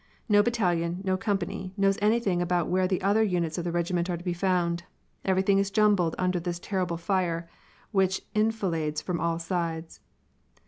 No battalion, no company, knows anything about where the other units of the regiment are to be found. Everything is jumbled under this terrible fire which enfilades from all sides.